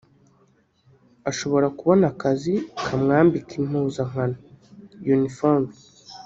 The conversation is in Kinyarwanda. ashobora kubona akazi kamwambika impuzankano (uniforme)